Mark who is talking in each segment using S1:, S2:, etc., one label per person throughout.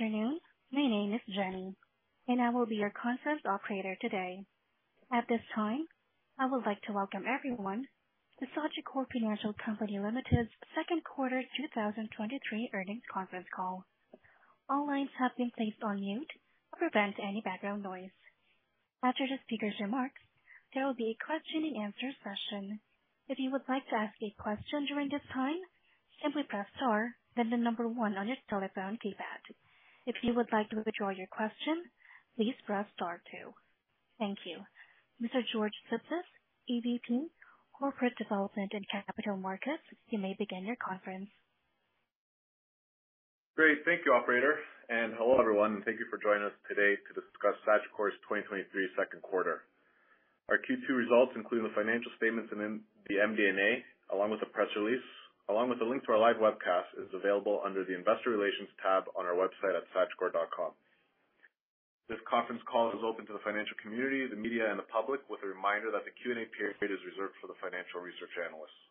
S1: Good afternoon. My name is Jenny, and I will be your conference operator today. At this time, I would like to welcome everyone to Sagicor Financial Company Ltd.'s second quarter 2023 earnings conference call. All lines have been placed on mute to prevent any background noise. After the speaker's remarks, there will be a question and answer session. If you would like to ask a question during this time, simply press star, then the number one on your telephone keypad. If you would like to withdraw your question, please press star two. Thank you. Mr. George Sipsis, EVP, Corporate Development and Capital Markets, you may begin your conference.
S2: Great. Thank you, operator, and hello, everyone, and thank you for joining us today to discuss Sagicor's 2023 second quarter. Our Q2 results include the financial statements and then the MD&A, along with the press release, along with a link to our live webcast, is available under the Investor Relations tab on our website at sagicor.com. This conference call is open to the financial community, the media, and the public, with a reminder that the Q&A period is reserved for the financial research analysts.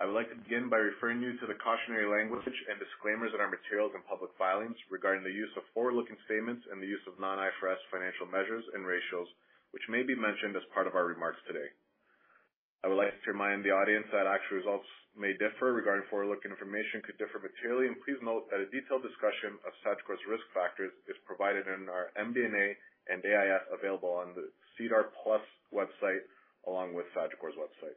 S2: I would like to begin by referring you to the cautionary language and disclaimers in our materials and public filings regarding the use of forward-looking statements and the use of non-IFRS financial measures and ratios, which may be mentioned as part of our remarks today. I would like to remind the audience that actual results may differ regarding forward-looking information could differ materially, and please note that a detailed discussion of Sagicor's risk factors is provided in our MD&A and AIF available on the SEDAR+ website, along with Sagicor's website.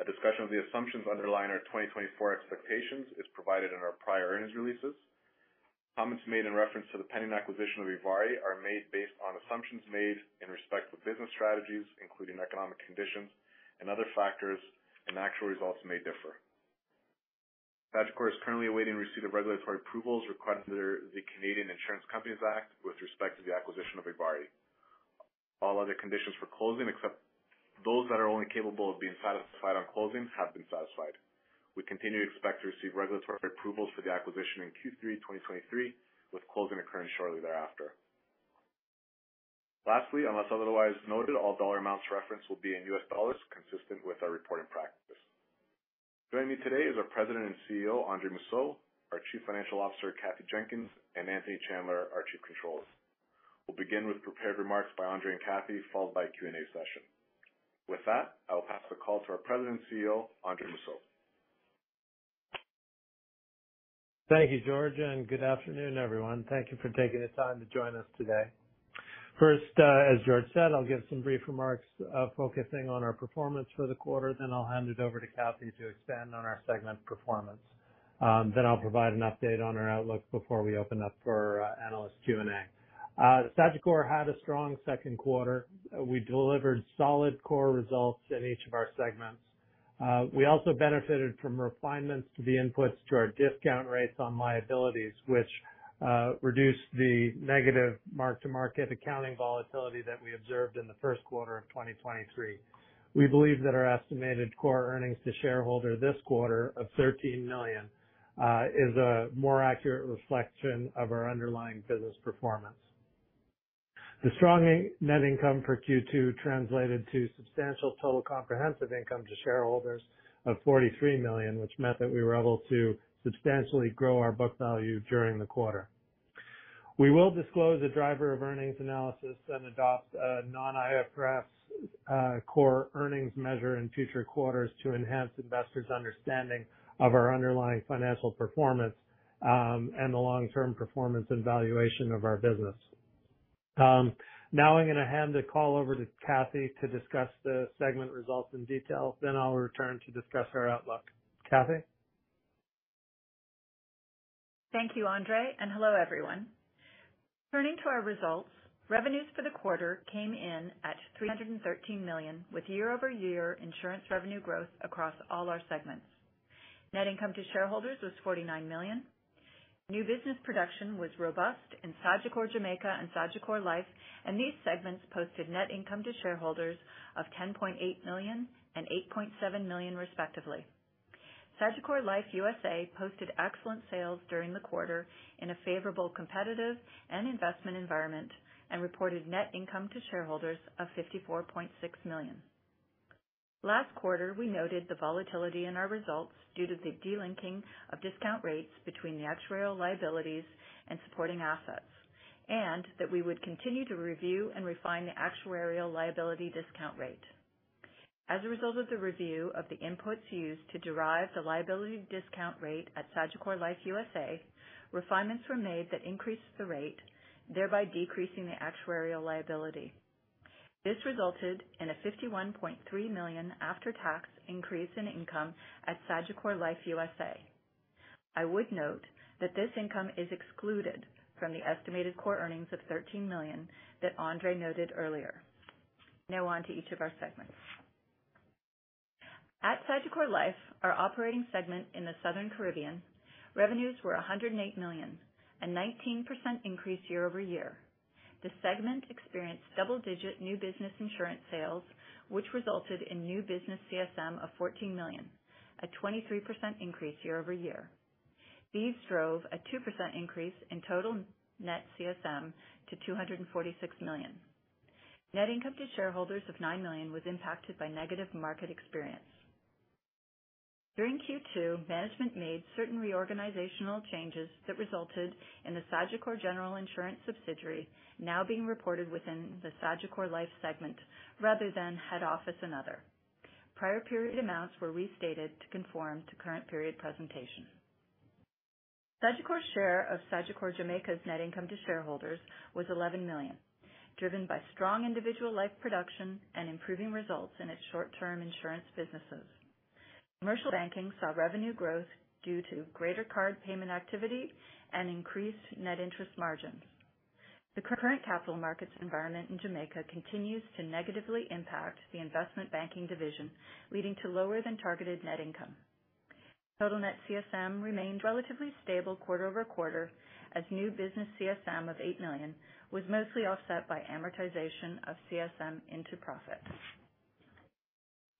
S2: A discussion of the assumptions underlying our 2024 expectations is provided in our prior earnings releases. Comments made in reference to the pending acquisition of ivari are made based on assumptions made in respect to business strategies, including economic conditions and other factors, and actual results may differ. Sagicor is currently awaiting receipt of regulatory approvals required under the Canadian Insurance Companies Act with respect to the acquisition of ivari. All other conditions for closing, except those that are only capable of being satisfied on closing, have been satisfied. We continue to expect to receive regulatory approvals for the acquisition in Q3 2023, with closing occurring shortly thereafter. Lastly, unless otherwise noted, all dollar amounts referenced will be in US dollars, consistent with our reporting practice. Joining me today is our President and CEO, Andre Mousseau, our Chief Financial Officer, Kathy Jenkins, and Anthony Chandler, our Chief Controller. We'll begin with prepared remarks by Andre and Kathy, followed by a Q&A session. With that, I will pass the call to our President and CEO, Andre Mousseau.
S3: Thank you, George. Good afternoon, everyone. Thank you for taking the time to join us today. First, as George said, I'll give some brief remarks, focusing on our performance for the quarter. Then I'll hand it over to Kathy to expand on our segment performance. Then I'll provide an update on our outlook before we open up for analyst Q&A. Sagicor had a strong second quarter. We delivered solid core results in each of our segments. We also benefited from refinements to the inputs to our discount rates on liabilities, which reduced the negative mark-to-market accounting volatility that we observed in the first quarter of 2023. We believe that our estimated core earnings to shareholder this quarter of $13 million is a more accurate reflection of our underlying business performance. The strong net income for Q2 translated to substantial total comprehensive income to shareholders of $43 million, which meant that we were able to substantially grow our book value during the quarter. We will disclose a driver of earnings analysis and adopt a non-IFRS core earnings measure in future quarters to enhance investors' understanding of our underlying financial performance, and the long-term performance and valuation of our business. Now I'm gonna hand the call over to Kathy to discuss the segment results in detail. I'll return to discuss our outlook. Kathy?
S4: Thank you, Andre, and hello, everyone. Turning to our results, revenues for the quarter came in at $313 million, with year-over-year insurance revenue growth across all our segments. Net income to shareholders was $49 million. New business production was robust in Sagicor Jamaica and Sagicor Life, and these segments posted net income to shareholders of $10.8 million and $8.7 million, respectively. Sagicor Life USA posted excellent sales during the quarter in a favorable, competitive, and investment environment and reported net income to shareholders of $54.6 million. Last quarter, we noted the volatility in our results due to the de-linking of discount rates between the actuarial liabilities and supporting assets, and that we would continue to review and refine the actuarial liability discount rate. As a result of the review of the inputs used to derive the liability discount rate at Sagicor Life USA, refinements were made that increased the rate, thereby decreasing the actuarial liability. This resulted in a $51.3 million after-tax increase in income at Sagicor Life USA. I would note that this income is excluded from the estimated core earnings of $13 million that Andre noted earlier. On to each of our segments. At Sagicor Life, our operating segment in the Southern Caribbean, revenues were $108 million, a 19% increase year-over-year. The segment experienced double-digit new business insurance sales, which resulted in new business CSM of $14 million, a 23% increase year-over-year. These drove a 2% increase in total net CSM to $246 million. Net income to shareholders of $9 million was impacted by negative market experience. During Q2, management made certain reorganizational changes that resulted in the Sagicor General Insurance subsidiary now being reported within the Sagicor Life segment rather than head office and other. Prior period amounts were restated to conform to current period presentation. Sagicor's share of Sagicor Jamaica's net income to shareholders was $11 million, driven by strong individual life production and improving results in its short-term insurance businesses. Commercial banking saw revenue growth due to greater card payment activity and increased net interest margins. The current capital markets environment in Jamaica continues to negatively impact the investment banking division, leading to lower than targeted net income. Total net CSM remained relatively stable quarter-over-quarter, as new business CSM of $8 million was mostly offset by amortization of CSM into profit.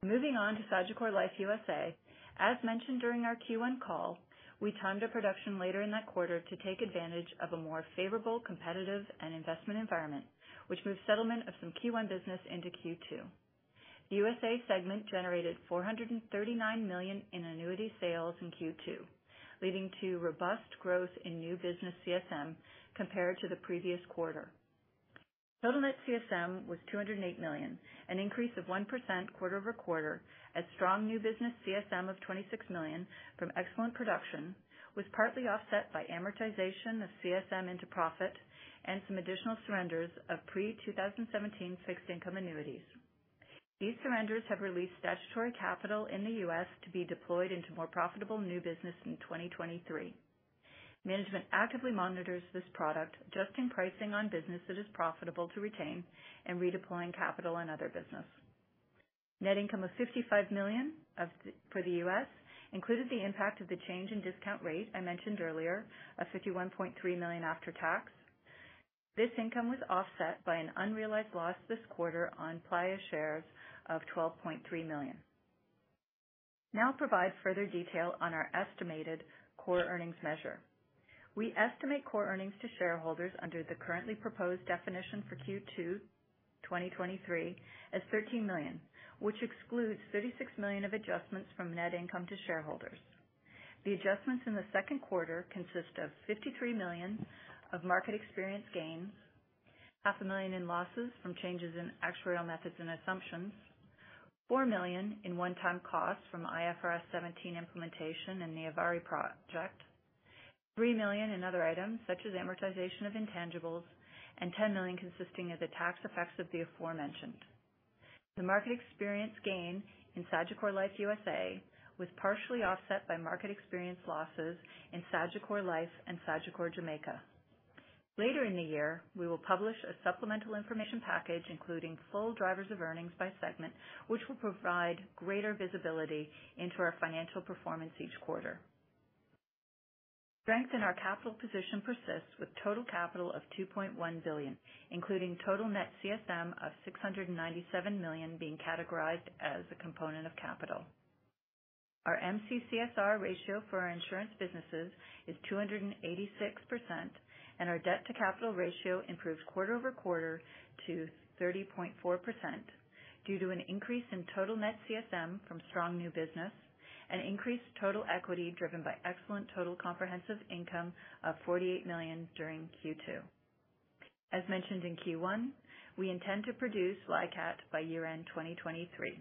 S4: Moving on to Sagicor Life USA. As mentioned during our Q1 call, we timed a production later in that quarter to take advantage of a more favorable, competitive, and investment environment, which moved settlement of some Q1 business into Q2. The USA segment generated $439 million in annuity sales in Q2, leading to robust growth in new business CSM compared to the previous quarter. Total net CSM was $208 million, an increase of 1% quarter-over-quarter. As strong new business CSM of $26 million from excellent production was partly offset by amortization of CSM into profit and some additional surrenders of pre-2017 fixed income annuities. These surrenders have released statutory capital in the U.S. to be deployed into more profitable new business in 2023. Management actively monitors this product, adjusting pricing on business that is profitable to retain and redeploying capital and other business. Net income of $55 million for the U.S. included the impact of the change in discount rate I mentioned earlier, of $51.3 million after tax. This income was offset by an unrealized loss this quarter on Playa shares of $12.3 million. Provide further detail on our estimated core earnings measure. We estimate core earnings to shareholders under the currently proposed definition for Q2 2023 as $13 million, which excludes $36 million of adjustments from net income to shareholders. The adjustments in the second quarter consist of $53 million of market experience gains, $500,000 in losses from changes in actuarial methods and assumptions, $4 million in one-time costs from IFRS 17 implementation in the ivari project, $3 million in other items such as amortization of intangibles, and $10 million consisting of the tax effects of the aforementioned. The market experience gain in Sagicor Life USA was partially offset by market experience losses in Sagicor Life and Sagicor Jamaica. Later in the year, we will publish a supplemental information package, including full drivers of earnings by segment, which will provide greater visibility into our financial performance each quarter. Strength in our capital position persists with total capital of $2.1 billion, including total net CSM of $697 million being categorized as a component of capital. Our MCCSR ratio for our insurance businesses is 286%, and our debt to capital ratio improves quarter-over-quarter to 30.4% due to an increase in total net CSM from strong new business and increased total equity driven by excellent total comprehensive income of $48 million during Q2. As mentioned in Q1, we intend to produce LICAT by year-end 2023.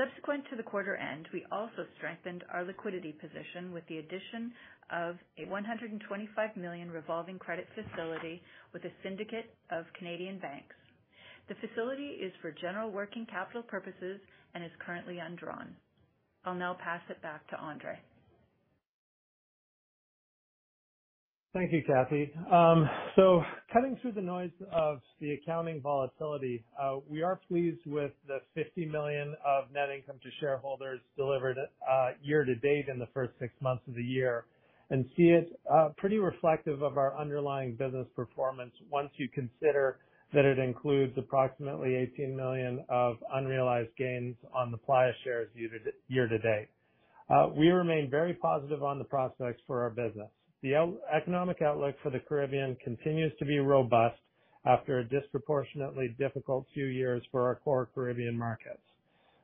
S4: Subsequent to the quarter end, we also strengthened our liquidity position with the addition of a $125 million revolving credit facility with a syndicate of Canadian banks. The facility is for general working capital purposes and is currently undrawn. I'll now pass it back to Andre.
S3: Thank you, Kathy. Cutting through the noise of the accounting volatility, we are pleased with the $50 million of net income to shareholders delivered year to date in the first six months of the year, and see it pretty reflective of our underlying business performance once you consider that it includes approximately $18 million of unrealized gains on the Playa shares year to date. We remain very positive on the prospects for our business. The economic outlook for the Caribbean continues to be robust after a disproportionately difficult few years for our core Caribbean markets.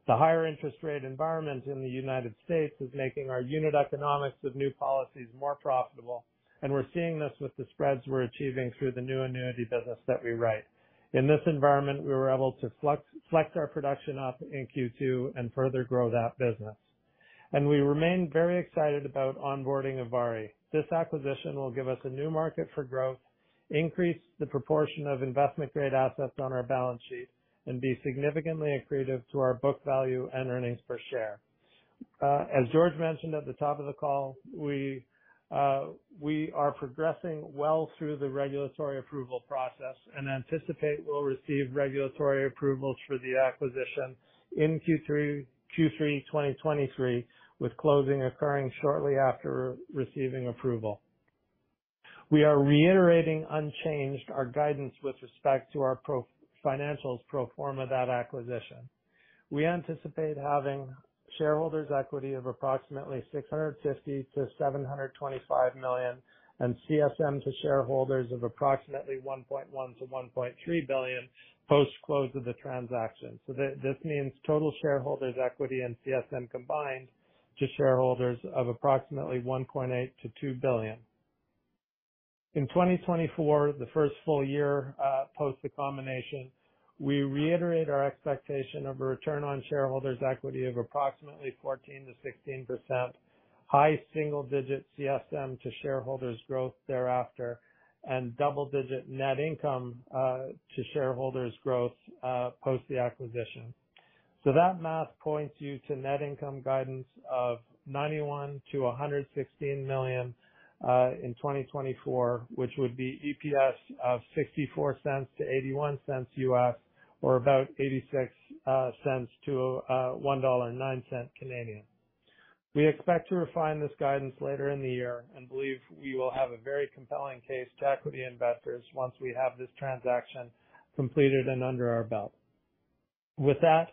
S3: The higher interest rate environment in the United States is making our unit economics of new policies more profitable, and we're seeing this with the spreads we're achieving through the new annuity business that we write. In this environment, we were able to flex our production up in Q2 and further grow that business, and we remain very excited about onboarding ivari. This acquisition will give us a new market for growth, increase the proportion of investment-grade assets on our balance sheet, and be significantly accretive to our book value and earnings per share. As George mentioned at the top of the call, we are progressing well through the regulatory approval process and anticipate we'll receive regulatory approvals for the acquisition in Q3 2023, with closing occurring shortly after receiving approval. We are reiterating unchanged our guidance with respect to our financials pro forma, that acquisition. We anticipate having shareholders' equity of approximately $650 million-$725 million, and CSM to shareholders of approximately $1.1 billion-$1.3 billion post-close of the transaction. This means total shareholders equity and CSM combined to shareholders of approximately $1.8 billion-$2 billion. In 2024, the first full year post the combination, we reiterate our expectation of a return on shareholders' equity of approximately 14%-16%, high single digit CSM to shareholders growth thereafter, and double digit net income to shareholders growth post the acquisition. That math points you to net income guidance of $91 million-$116 million in 2024, which would be EPS of $0.64-$0.81 US, or about 0.86-1.09 dollar Canadian. We expect to refine this guidance later in the year and believe we will have a very compelling case to equity investors once we have this transaction completed and under our belt. With that,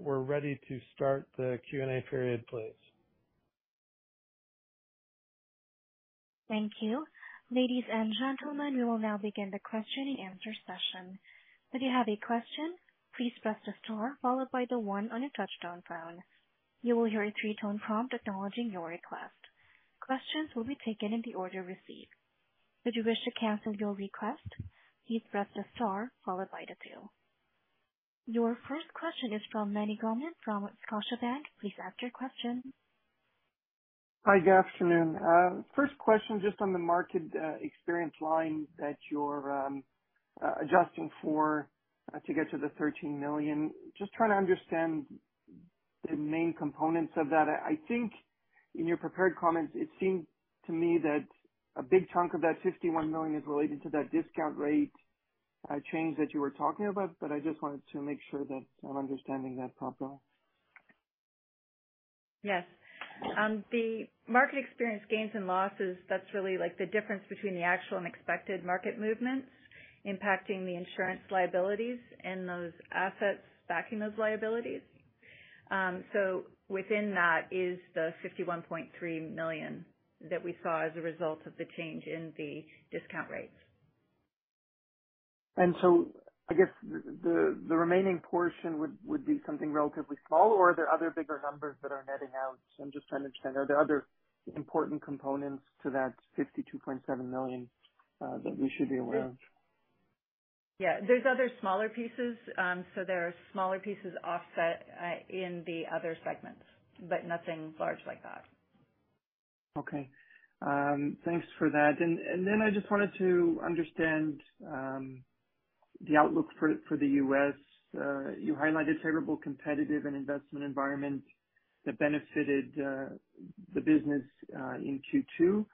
S3: we're ready to start the Q&A period, please.
S1: Thank you. Ladies and gentlemen, we will now begin the question and answer session. If you have a question, please press the star followed by the one on your touch-tone phone. You will hear a three-tone prompt acknowledging your request. Questions will be taken in the order received. If you wish to cancel your request, please press the star followed by the two. Your first question is from Manny Gomez, from Scotiabank. Please ask your question.
S5: Hi, good afternoon. First question, just on the market experience line that you're adjusting for to get to the $13 million. Just trying to understand the main components of that. I, I think in your prepared comments, it seemed to me that a big chunk of that $51 million is related to that discount rate change that you were talking about, but I just wanted to make sure that I'm understanding that properly.
S4: Yes. The market experienced gains and losses, that's really like the difference between the actual and expected market movements impacting the insurance liabilities and those assets backing those liabilities. Within that is the $51.3 million that we saw as a result of the change in the discount rates.
S5: I guess the remaining portion would be something relatively small, or are there other bigger numbers that are netting out? I'm just trying to understand, are there other important components to that $52.7 million that we should be aware of?
S4: Yeah. There's other smaller pieces. There are smaller pieces offset, in the other segments, but nothing large like that.
S5: Okay. Thanks for that. And then I just wanted to understand the outlook for, for the U.S. You highlighted favorable, competitive, and investment environment that benefited the business in Q2.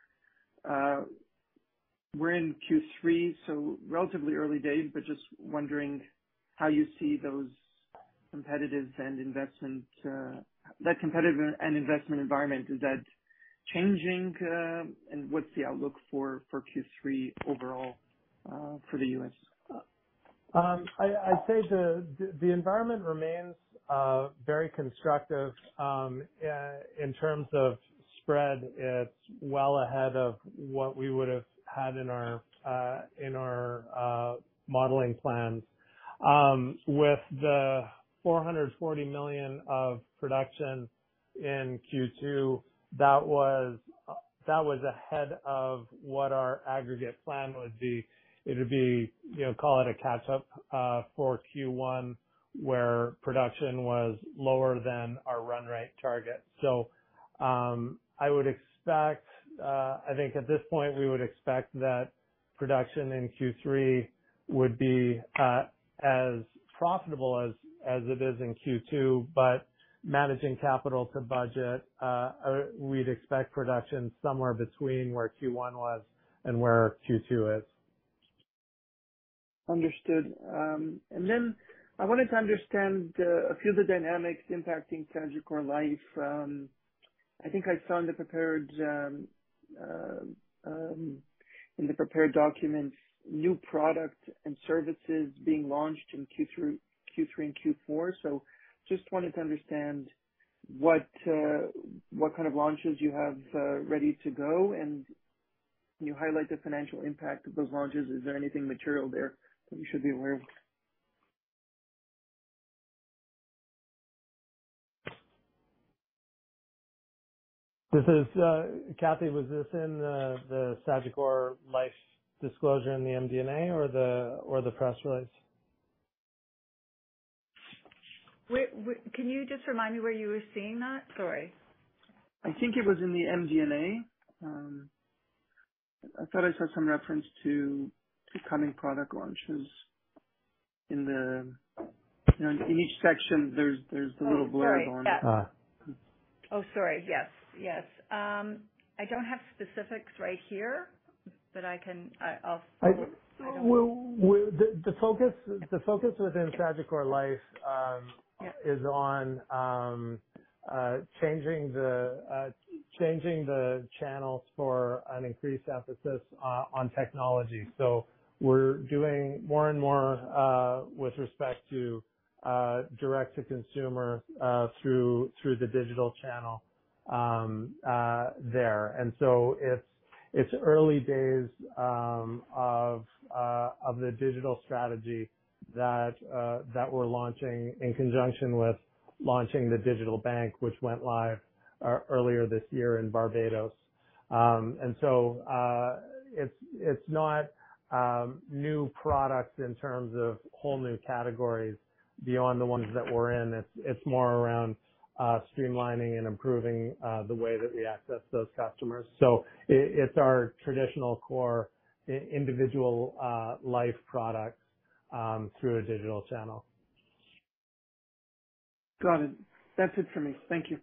S5: We're in Q3, so relatively early days, but just wondering how you see those competitive and investment, that competitive and investment environment, is that changing? What's the outlook for, for Q3 overall, for the U.S.?
S3: I, I'd say the, the, the environment remains very constructive. In terms of spread, it's well ahead of what we would have had in our in our modeling plans. With the $440 million of production in Q2, that was that was ahead of what our aggregate plan would be. It would be, you know, call it a catch up for Q1, where production was lower than our run rate target. I would expect, I think at this point, we would expect that production in Q3 would be as profitable as, as it is in Q2, but managing capital to budget, we'd expect production somewhere between where Q1 was and where Q2 is.
S5: Understood. I wanted to understand a few of the dynamics impacting Sagicor Life. I think I saw in the prepared documents, new product and services being launched in Q through- Q3 and Q4. Just wanted to understand what kind of launches you have ready to go, and can you highlight the financial impact of those launches? Is there anything material there that we should be aware of?
S3: This is, Kathy, was this in the, the Sagicor Life disclosure in the MD&A or the, or the press release?
S4: Can you just remind me where you were seeing that? Sorry.
S5: I think it was in the MD&A. I thought I saw some reference to, to coming product launches in the, you know, in each section, there's, there's the little blurb.
S4: Oh, sorry. Yes.
S3: Uh-
S4: Oh, sorry. Yes. Yes. I don't have specifics right here.... but I can, I, I'll-
S3: I, well, well, the, the focus, the focus within Sagicor Life.
S4: Yeah.
S3: Is on changing the changing the channels for an increased emphasis on technology. We're doing more and more with respect to direct to consumer through through the digital channel there. It's early days of the digital strategy that that we're launching in conjunction with launching the digital bank, which went live earlier this year in Barbados. It's not new products in terms of whole new categories beyond the ones that we're in. It's more around streamlining and improving the way that we access those customers. It's our traditional core individual life products through a digital channel.
S5: Got it. That's it for me. Thank you.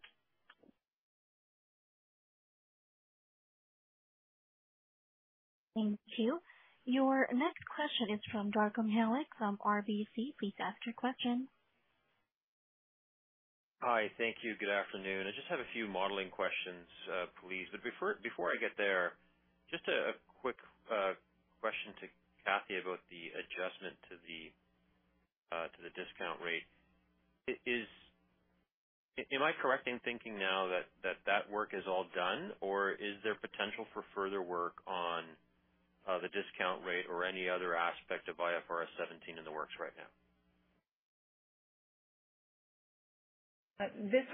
S1: Thank you. Your next question is from Darko Mihelic, from RBC. Please ask your question.
S6: Hi. Thank you. Good afternoon. I just have a few modeling questions, please. Before, before I get there, just a quick question to Kathy about the adjustment to the discount rate. Am I correct in thinking now that that work is all done, or is there potential for further work on the discount rate or any other aspect of IFRS 17 in the works right now?
S4: This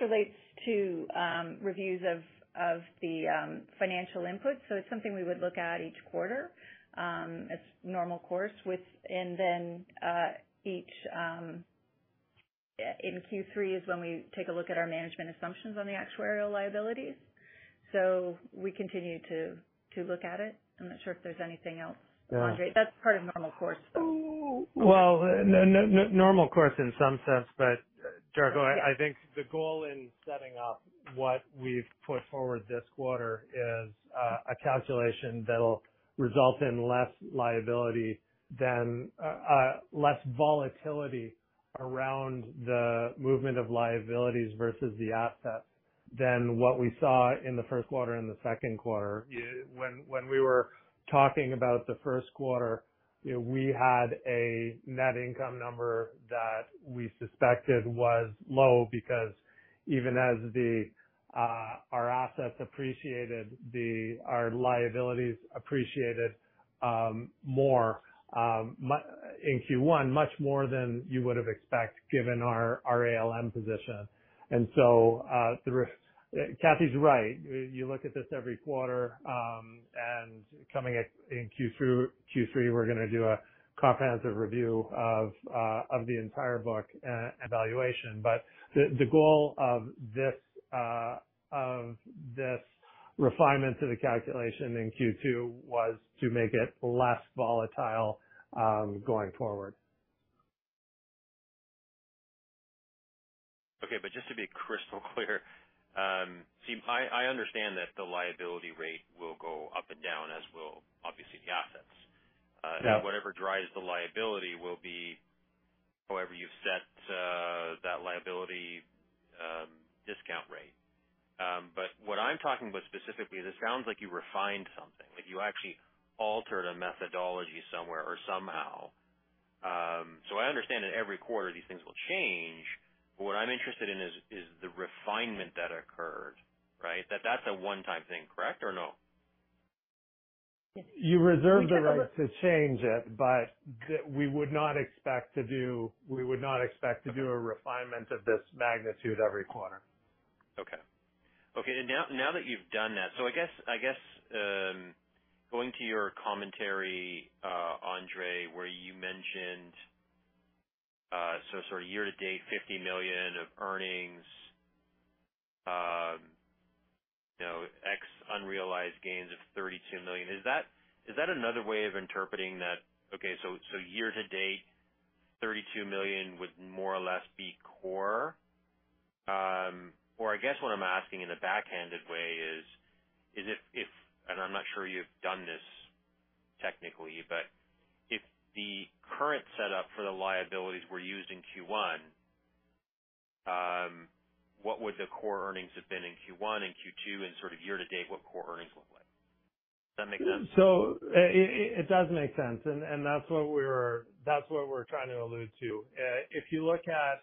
S4: relates to reviews of of the financial input, so it's something we would look at each quarter as normal course with... In Q3 is when we take a look at our management assumptions on the actuarial liabilities. We continue to, to look at it. I'm not sure if there's anything else, Andre.
S3: Yeah.
S4: That's part of normal course, so.
S3: Well, normal course, in some sense, Darko, I think the goal in setting up what we've put forward this quarter is a calculation that'll result in less liability than less volatility around the movement of liabilities versus the assets than what we saw in the first quarter and the second quarter. When we were talking about the first quarter, you know, we had a net income number that we suspected was low because even as our assets appreciated, our liabilities appreciated more in Q1, much more than you would have expect, given our ALM position. So, Kathy's right. You look at this every quarter, coming at in Q2, Q3, we're gonna do a comprehensive review of the entire book, evaluation. The, the goal of this, of this refinement to the calculation in Q2 was to make it less volatile, going forward.
S6: Okay, just to be crystal clear, see, I, I understand that the liability rate will go up and down, as will obviously the assets.
S3: Yeah.
S6: whatever drives the liability will be however you've set, that liability, discount rate. What I'm talking about specifically, this sounds like you refined something, that you actually altered a methodology somewhere or somehow. I understand that every quarter these things will change, but what I'm interested in is the refinement that occurred, right? That's a one-time thing, correct or no?
S3: You reserve the right to change it, we would not expect to do, we would not expect to do a refinement of this magnitude every quarter.
S6: Okay. Okay, then now, now that you've done that... I guess, I guess, going to your commentary, Andre, where you mentioned, so sort of year to date, $50 million of earnings, you know, ex unrealized gains of $32 million. Is that, is that another way of interpreting that? Year to date, $32 million would more or less be core? Or I guess what I'm asking in a backhanded way is, if, and I'm not sure you've done this technically, but if the current setup for the liabilities were used in Q1, what would the core earnings have been in Q1 and Q2, and sort of year to date, what core earnings look like? Does that make sense?
S3: i-i-it does make sense. And, and that's what we were, that's what we're trying to allude to. If you look at...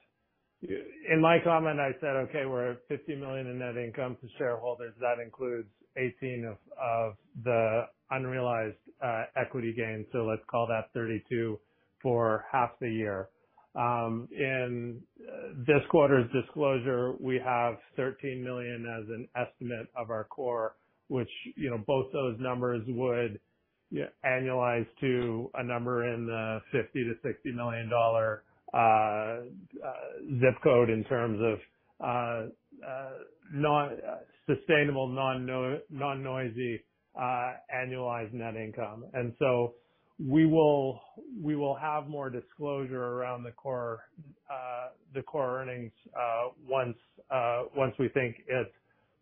S3: In my comment, I said, "Okay, we're at $50 million in net income to shareholders. That includes $18 million of the unrealized equity gains, so let's call that $32 million for half the year." In this quarter's disclosure, we have $13 million as an estimate of our core, which, you know, both those numbers would, yeah, annualize to a number in the $50 million-$60 million dollar zip code in terms of not- sustainable, non-noisy annualized net income. So we will, we will have more disclosure around the core... the core earnings once once we think it's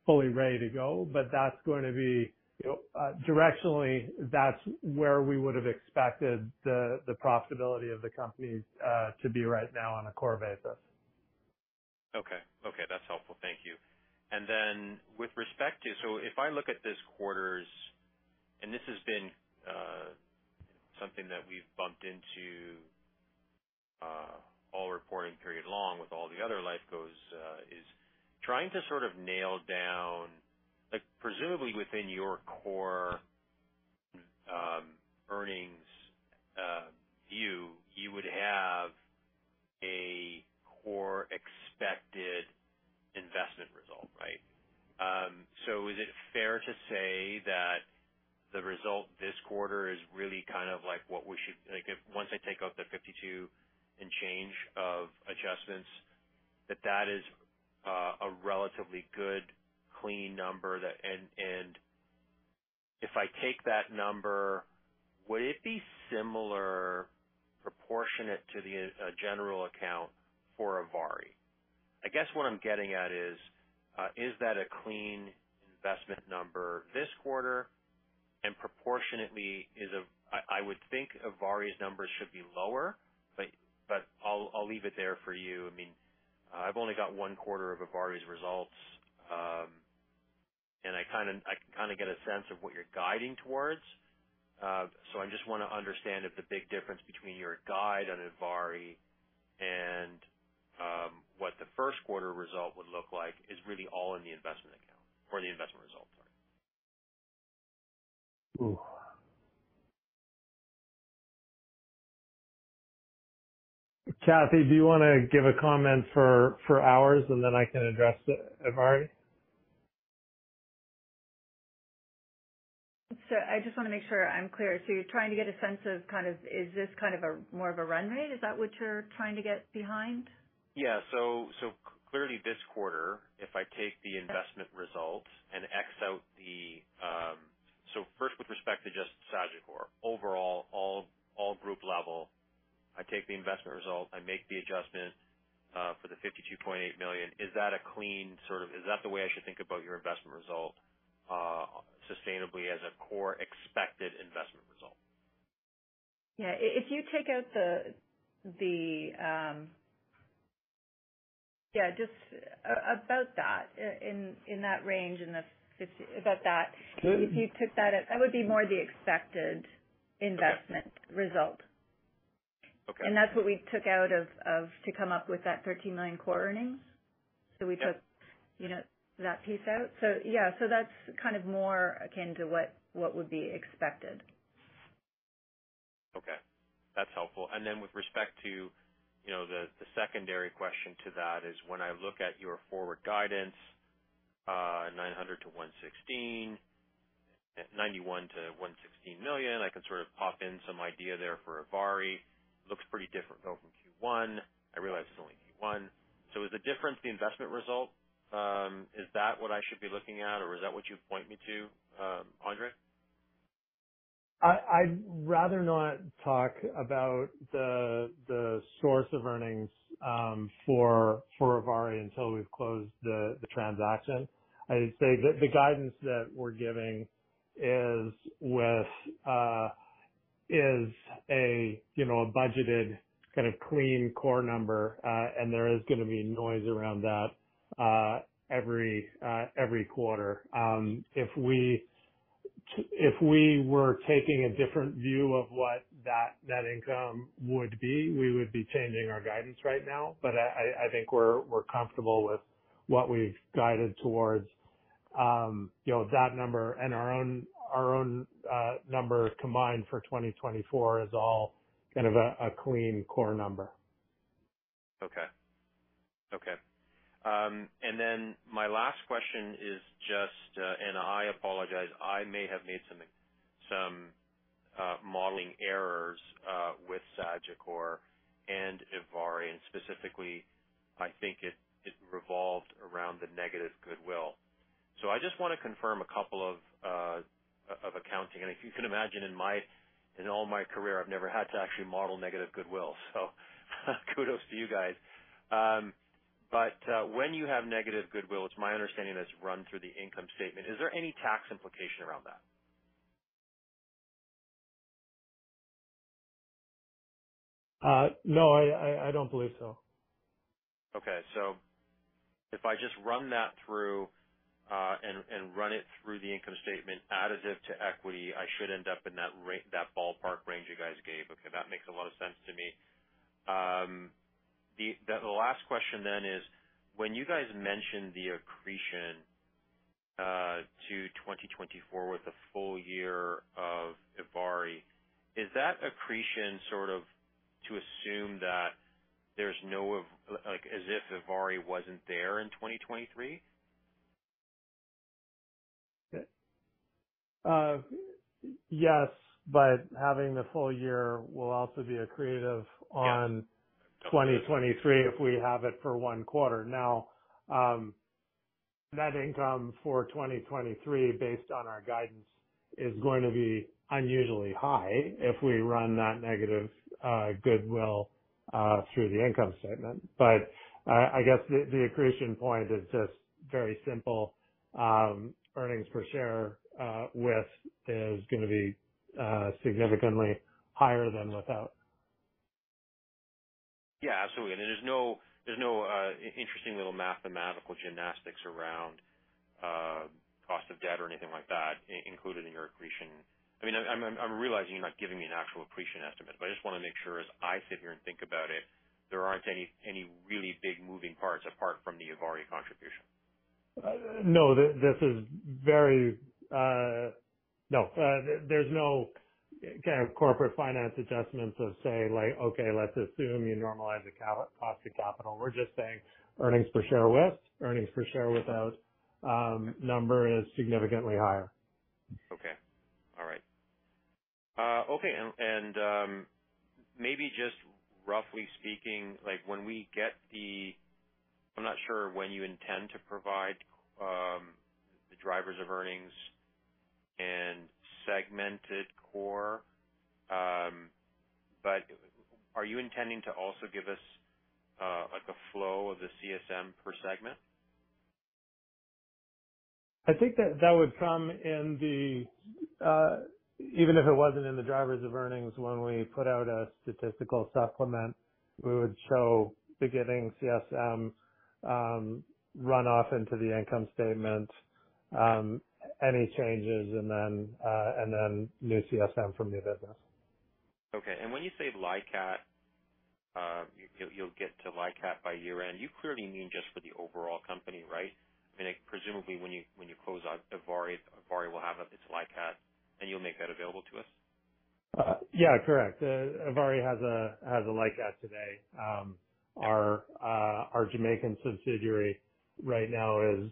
S3: fully ready to go. That's going to be, you know, directionally, that's where we would have expected the, the profitability of the company, to be right now on a core basis.
S6: Okay. Okay, that's helpful. Thank you. With respect to-- if I look at this quarter's, and this has been, something that we've bumped into, all reporting period long with all the other life goes, is trying to sort of nail down, like presumably within your core, earnings, view, you would have a core expected investment result, right? Is it fair to say that the result this quarter is really kind of like what we should once I take out the $52 and change of adjustments, that that is, a relatively good, clean number that... If I take that number, would it be similar, proportionate to the general account for ivari? I guess what I'm getting at is, is that a clean investment number this quarter and proportionately is I, I would think ivari's numbers should be lower, but, but I'll, I'll leave it there for you. I mean, I've only got one quarter of ivari's results, and I kind of, I can kind of get a sense of what you're guiding towards. I just want to understand if the big difference between your guide on ivari and what the first quarter result would look like is really all in the investment account or the investment result, sorry?
S3: Kathy, do you want to give a comment for, for ours, and then I can address the ivari?
S4: I just want to make sure I'm clear. You're trying to get a sense of kind of, is this kind of a more of a run rate? Is that what you're trying to get behind?
S6: Yeah. So clearly this quarter, if I take the investment results and X out the. First, with respect to just Sagicor, overall, all, all group level, I take the investment result, I make the adjustment for the $52.8 million. Is that a clean, is that the way I should think about your investment result sustainably as a core expected investment result?
S4: Yeah. If, if you take out the, the, yeah, just about that, in, in that range, in the fifty- about that.
S6: Mm-hmm.
S4: If you took that out, that would be more the expected investment result.
S6: Okay.
S4: That's what we took out of to come up with that $13 million core earnings.
S6: Yeah.
S4: We took, you know, that piece out. Yeah, so that's kind of more akin to what, what would be expected.
S6: Okay. That's helpful. Then with respect to, you know, the, the secondary question to that is when I look at your forward guidance, $900-$116, $91 million-$116 million, I can sort of pop in some idea there for ivari. Looks pretty different though, from Q1. I realize it's only Q1. Is the difference the investment result? Is that what I should be looking at or is that what you'd point me to, Andre?
S3: I, I'd rather not talk about the, the source of earnings, for, for ivari until we've closed the, the transaction. I'd say the, the guidance that we're giving is with, is a, you know, a budgeted kind of clean core number. There is going to be noise around that, every, every quarter. If we were taking a different view of what that net income would be, we would be changing our guidance right now. I, I, I think we're, we're comfortable with what we've guided towards. You know, that number and our own, our own, number combined for 2024 is all kind of a, a clean core number.
S6: Okay. Okay. My last question is just, and I apologize, I may have made some, some modeling errors with Sagicor and ivari, and specifically, I think it revolved around the negative goodwill. I just want to confirm a couple of accounting. If you can imagine, in all my career, I've never had to actually model negative goodwill, so kudos to you guys. When you have negative goodwill, it's my understanding that's run through the income statement. Is there any tax implication around that?
S3: No, I, I, I don't believe so.
S6: Okay. If I just run that through, and, and run it through the income statement, add as it to equity, I should end up in that ballpark range you guys gave. Okay, that makes a lot of sense to me. The, the last question is, when you guys mentioned the accretion, to 2024 with the full year of ivari, is that accretion sort of to assume that there's no like, as if ivari wasn't there in 2023?
S3: Yes, having the full year will also be accretive-
S6: Yeah
S3: on 2023 if we have it for one quarter. Net income for 2023, based on our guidance, is going to be unusually high if we run that negative goodwill through the income statement. I guess the, the accretion point is just very simple. Earnings per share with is gonna be significantly higher than without.
S6: Yeah, absolutely. There's no, there's no interesting little mathematical gymnastics around cost of debt or anything like that included in your accretion. I mean, I'm, I'm, I'm realizing you're not giving me an actual accretion estimate, but I just wanna make sure as I sit here and think about it, there aren't any, any really big moving parts apart from the ivari contribution.
S3: No, this is very... No, there's no kind of corporate finance adjustments of say, like, okay, let's assume you normalize the ca- cost of capital. We're just saying earnings per share with, earnings per share without, number is significantly higher.
S6: Okay. All right. Okay, maybe just roughly speaking, like when we get the, I'm not sure when you intend to provide, the drivers of earnings and segmented core, but are you intending to also give us, like, a flow of the CSM per segment?
S3: I think that that would come in the, even if it wasn't in the drivers of earnings, when we put out a statistical supplement, we would show beginning CSM, run off into the income statement, any changes, and then, and then new CSM from new business.
S6: Okay. When you say LICAT, you, you'll get to LICAT by year end, you clearly mean just for the overall company, right? I mean, presumably, when you, when you close out ivari, ivari will have its LICAT, and you'll make that available to us.
S3: Yeah, correct. ivari has a, has a LICAT today. Our Jamaican subsidiary right now is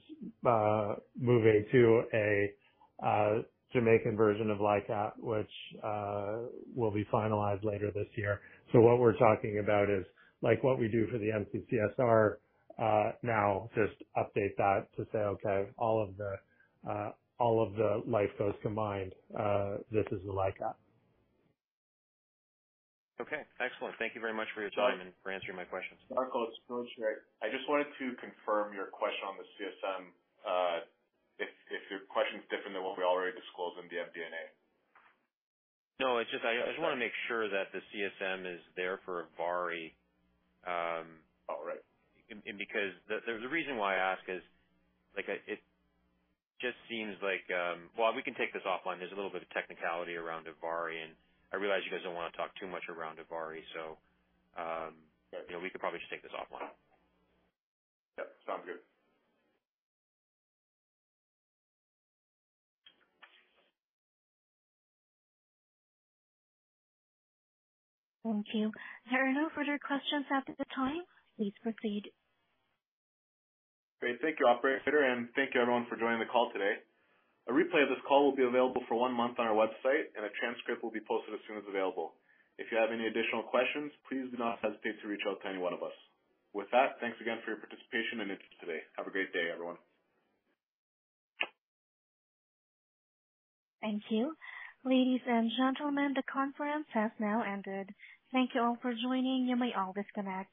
S3: moving to a Jamaican version of LICAT, which will be finalized later this year. What we're talking about is like what we do for the MCCSR, now just update that to say, okay, all of the, all of the life goes to mind, this is the LICAT.
S6: Okay, excellent. Thank you very much for your time and for answering my questions.
S2: Darko, it's George. Right? I just wanted to confirm your question on the CSM. If your question is different than what we already disclosed in the MD&A.
S6: No, it's just I, I just wanna make sure that the CSM is there for ivari.
S2: Oh, right.
S6: Because the, there's a reason why I ask is, like, I, it just seems like... Well, we can take this offline. There's a little bit of technicality around ivari, and I realize you guys don't want to talk too much around ivari, so.
S2: Right.
S6: You know, we could probably just take this offline.
S2: Yep, sounds good.
S1: Thank you. There are no further questions at the time. Please proceed.
S2: Great. Thank you, operator, and thank you everyone for joining the call today. A replay of this call will be available for one month on our website, and a transcript will be posted as soon as available. If you have any additional questions, please do not hesitate to reach out to any one of us. With that, thanks again for your participation and interest today. Have a great day, everyone.
S1: Thank you. Ladies and gentlemen, the conference has now ended. Thank you all for joining. You may all disconnect.